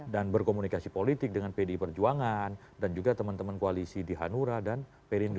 dan berkomunikasi politik dengan pdi perjuangan dan juga teman teman koalisi di hanura dan perindu